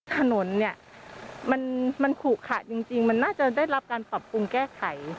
ถนนเนี่ยมันขุขะจริงมันน่าจะได้รับการปรับปรุงแก้ไข